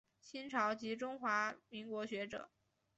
清朝及中华民国学者。